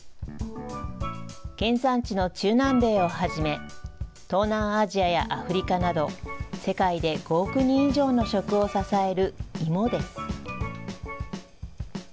原産地の中南米をはじめ、東南アジアやアフリカなど、世界で５億人以上の食を支える芋です。